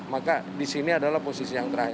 maka di sini adalah posisi yang terakhir